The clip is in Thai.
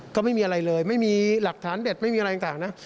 ก็ไม่มีอะไรเลยไม่มีหลักฐานเด็ดไม่มีอะไรต่างนะ